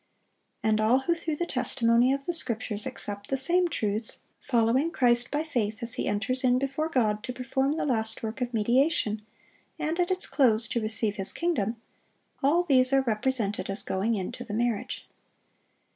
And all who through the testimony of the Scriptures accept the same truths, following Christ by faith as He enters in before God to perform the last work of mediation, and at its close to receive His kingdom,—all these are represented as going in to the marriage.